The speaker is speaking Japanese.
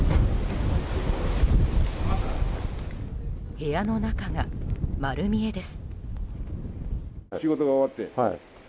部屋の中が丸見えです。